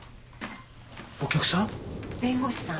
お客さん？